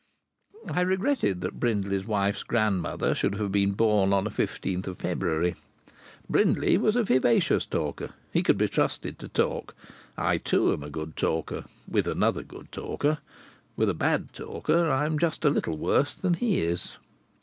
I regretted that Brindley's wife's grandmother should have been born on a fifteenth of February. Brindley was a vivacious talker, he could be trusted to talk. I, too, am a good talker with another good talker. With a bad talker I am just a little worse than he is.